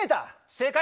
正解。